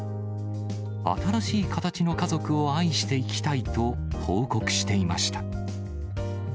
新しい形の家族を愛していきたいと報告していました。